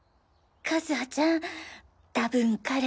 和葉ちゃん多分彼。